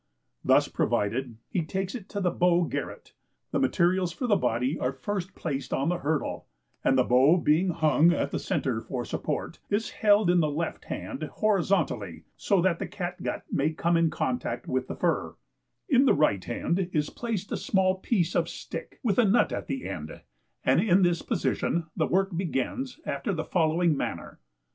Thus provided he takes it to the BOW GARRET; the materials for the body are first placed on the hurdle, and the bow being hung at the centre for support, is held in the left hand horizontally, so that the catgut may come in contact with the fur; in the right hand is placed a small piece of stick, with a nut at the end, and in this position the work begins after the following manner.